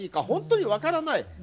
本当に分からない。